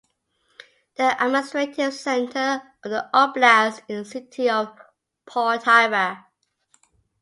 The administrative center of the oblast is the city of Poltava.